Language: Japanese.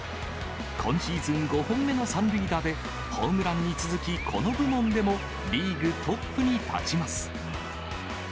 今シーズン５本目の３塁打で、ホームランに続き、この部門でもリーグトップに立ちます。